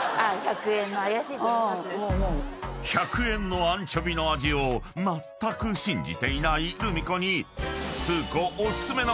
［１００円のアンチョビの味をまったく信じていないルミ子に］